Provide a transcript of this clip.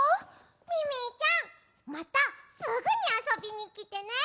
ミミィちゃんまたすぐにあそびにきてね！